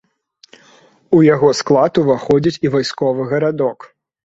У яго склад уваходзіць і вайсковы гарадок.